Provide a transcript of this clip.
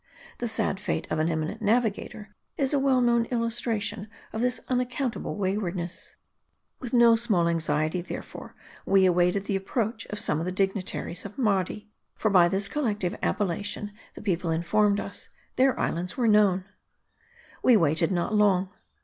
The sad fate of an emi nent navigator is a well known illustration of this unac countable waywardness. With no small anxiety, therefore, we awaited the ap proach of some of the dignitaries of Mardi ; for by this M A R D I. 195 collective appellation, the people informed us, their islands were known. We waited not long.